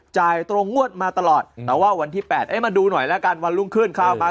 จ่ายตรงงวดมาตลอดแต่ว่าวันที่๘มาดูหน่อยแล้วกันวันรุ่งขึ้นคราวไป